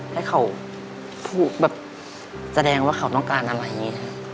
ให้เขาพูดแบบแสดงเขาต้องการอะไร